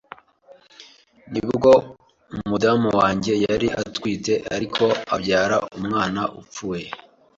nibwo umudamu wanjye yari atwite ariko abyara umwana upfuye,